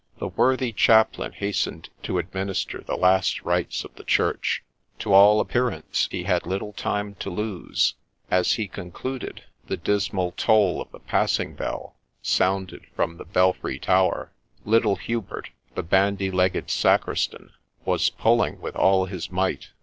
The worthy chaplain hastened to administer the last rites of the Church. To all appearance he had little time to lose ; as he concluded, the dismal toll of the passing bell sounded from the belfry tower, — little Hubert, the bandy legged sacristan, was pulling with all his might.